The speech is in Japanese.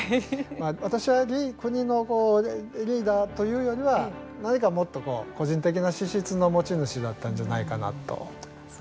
私は、国のリーダーというよりはもっと個人的な資質の持ち主だったんじゃないかなと思います。